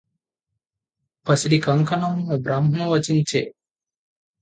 పసిడి కంకణమ్ము బ్రాహ్మణు వంచించె